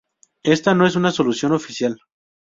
Ésta no es una solución oficial.